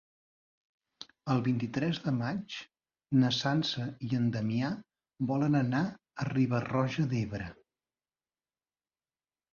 El vint-i-tres de maig na Sança i en Damià volen anar a Riba-roja d'Ebre.